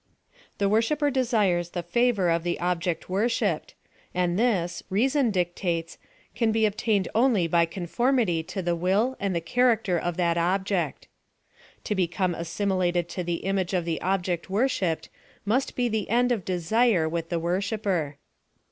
The worshipper desires the favor of the object worshipped, and this, reason dic tates, can bo obtained only by conformity tc the will and the character of that object To becom^j as 'SS PHILOSOPHY OP THE similated to tlie image of the object worshipped must be the end of desire with the worshipper.